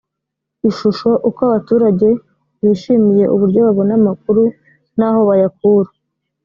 ishusho uko abaturage bishimiye uburyo babona amakuru n aho bayakura